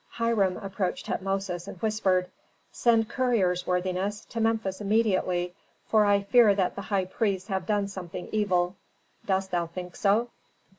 Hiram approached Tutmosis, and whispered, "Send couriers, worthiness, to Memphis immediately, for I fear that the high priests have done something evil." "Dost thou think so?"